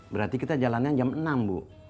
berarti kita jalannya jam enam bu